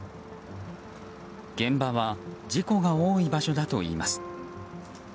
現場は事故が多いといいます。